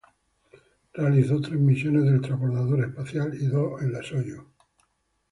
Realizó tres misiones del transbordador espacial y dos en la Soyuz.